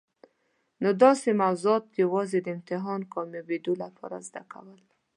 نو داسي موضوعات یوازي د امتحان کامیابېدو لپاره زده کول.